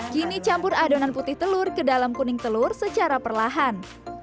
kini campur adonan putih telur ke dalam kuning telur secara perlahan